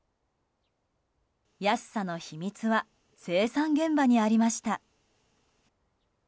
安さの秘密は生産現場にありました。